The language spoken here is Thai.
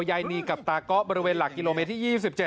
ย้ายนีกับตาก๊อบริเวณหลักกิโลเมธิ๒๗